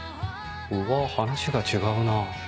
うわ話が違うなぁ。